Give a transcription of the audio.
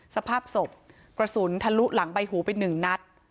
สภาพศพกระสุนทะลุหลังใบหูไป๑นัด